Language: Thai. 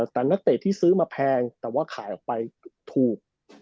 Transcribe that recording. แต่นักเตะที่ซื้อมาแพงแต่ว่าขายออกไปถูก